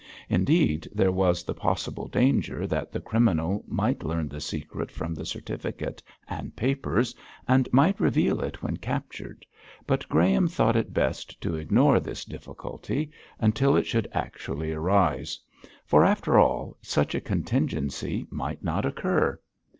Certainly there was the possible danger that the criminal might learn the secret from the certificate and papers, and might reveal it when captured; but Graham thought it best to ignore this difficulty until it should actually arise. For, after all, such a contingency might not occur.